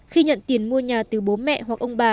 khi nhận tiền mua nhà từ bố mẹ hoặc ông bà